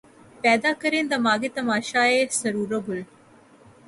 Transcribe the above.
پیدا کریں دماغ تماشائے سَرو و گل